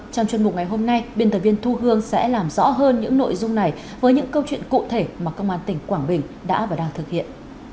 trong chuyên mục ngày hôm nay biên tập viên thu hương sẽ làm rõ hơn những nội dung này với những câu chuyện cụ thể mà công an tỉnh quảng bình đã và đang thực hiện